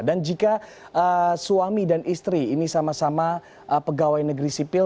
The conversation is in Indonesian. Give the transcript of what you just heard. dan jika suami dan istri ini sama sama pegawai negeri sipil